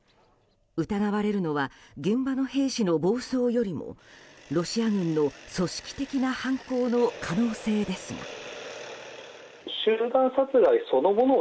疑われるのは現場の兵士の暴走よりもロシア軍の組織的な犯行の可能性ですが。